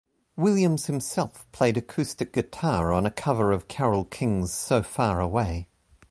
Williams himself played acoustic guitar on a cover of Carole King's "So Far Away".